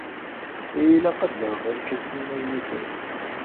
Ilaq ad d-aɣeɣ irkasen imaynuten.